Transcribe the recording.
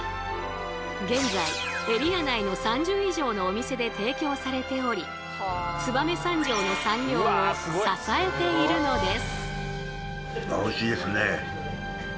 現在エリア内の３０以上のお店で提供されており燕三条の産業を支えているのです。